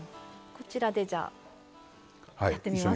こちらでじゃあやってみます。